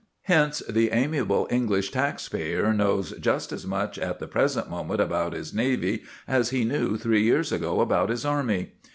Hence the amiable English taxpayer knows just as much at the present moment about his navy as he knew three years ago about his army.